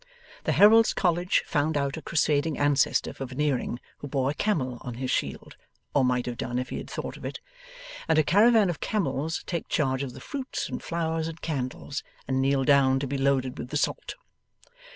The Heralds' College found out a Crusading ancestor for Veneering who bore a camel on his shield (or might have done it if he had thought of it), and a caravan of camels take charge of the fruits and flowers and candles, and kneel down be loaded with the salt.